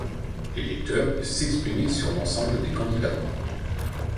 L'électeur peut s'exprimer sur l'ensemble des candidats.